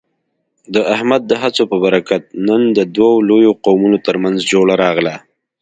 د احمد د هڅو په برکت، نن د دوو لویو قومونو ترمنځ جوړه راغله.